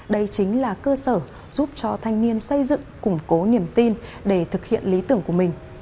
đây chính là cơ sở giúp cho thanh niên xây dựng củng cố niềm tin để thực hiện lý tưởng của mình